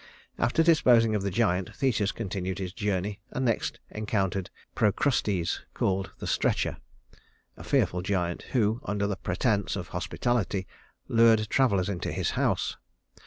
After disposing of the giant, Theseus continued his journey and next encountered Procrustes (called the Stretcher), a fearful giant who, under the pretense of hospitality, lured travelers into his house.